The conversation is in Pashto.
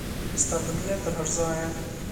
ستا په مینه تر هر ځایه.